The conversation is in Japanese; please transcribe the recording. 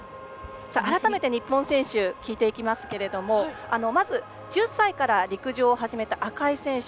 改めて日本選手聞いていきますがまず、１０歳から陸上を始めた赤井選手。